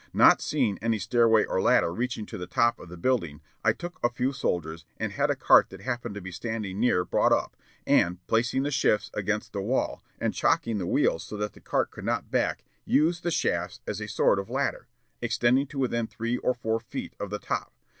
Not seeing any stairway or ladder reaching to the top of the building, I took a few soldiers, and had a cart that happened to be standing near brought up, and, placing the shafts against the wall, and chocking the wheels so that the cart could not back, used the shafts as a sort of ladder, extending to within three or four feet of the top.